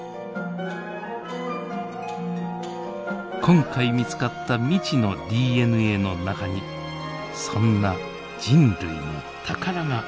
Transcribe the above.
今回見つかった未知のＤＮＡの中にそんな人類の宝があるかもしれません。